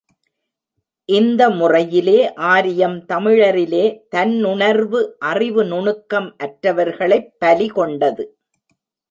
இந்த முறையிலே, ஆரியம் தமிழரிலே தன்னுணர்வு, அறிவு நுணுக்கம் அற்றவர்களைப் பலி கொண்டது.